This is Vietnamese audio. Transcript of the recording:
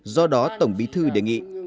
do đó tổng bí thư đề nghị